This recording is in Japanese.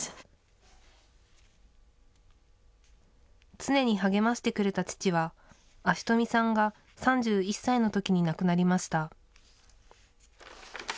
常に励ましてくれた父は、安次富さんが３１歳のときに亡くなりました。